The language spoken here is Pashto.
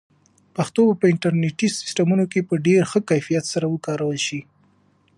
پښتو به په انټرنیټي سیسټمونو کې په ډېر ښه کیفیت سره وکارول شي.